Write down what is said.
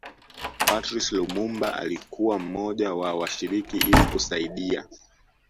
Patrice Lumumba alikuwa mmoja wa washiriki ili kusaidia